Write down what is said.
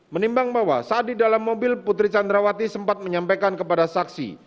menimbang bahwa saat di dalam mobil putri candrawati sempat menyampaikan kepada saksi